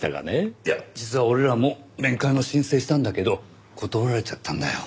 いや実は俺らも面会の申請したんだけど断られちゃったんだよ。